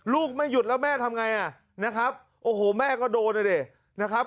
ไม่หยุดแล้วแม่ทำไงอ่ะนะครับโอ้โหแม่ก็โดนนะดินะครับ